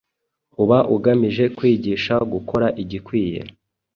uba ugamije kwigisha gukora igikwiye